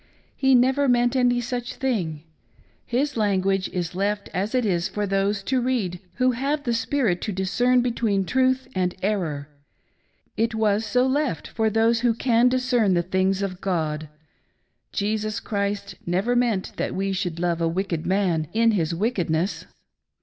He never meant any such thing ; His lan guage is left as it is for those to read who have the spirit to discern between truth and error ; it was so left for those who can discern the things of God. Jesus Christ never meant that we should love a wicked man in his wickedness.